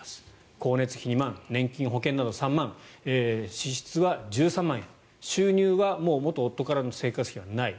光熱費２万年金、保険など３万支出は１３万円収入はもう元夫からの生活費はない。